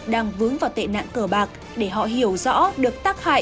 đang vướng vào tệ nạn cờ bạc để họ hiểu rõ được tác hại của tệ nạn này